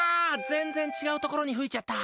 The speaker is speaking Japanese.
全然違うところに吹いちゃった！